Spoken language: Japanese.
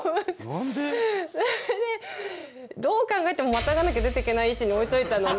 でどう考えてもまたがなきゃ出ていけない位置に置いておいたのに。